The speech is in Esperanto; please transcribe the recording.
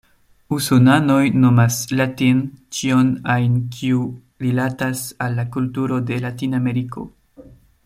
Usonanoj nomas "latin" ĉion ajn, kiu rilatas al la kulturo de Latin-Ameriko.